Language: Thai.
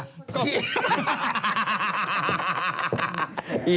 ฮ่า